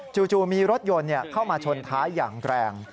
จู่มีรถยนต์เข้ามาชนท้ายอย่างแรง